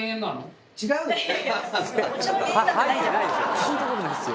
「聞いた事ないですよ」